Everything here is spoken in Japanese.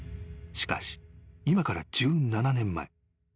［しかし今から１７年前］